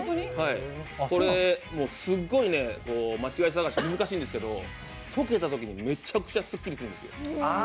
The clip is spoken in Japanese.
これ、すっごいまちがいさがし、難しいんですけど、解けたときにめちゃくちゃすっきりするんですよ。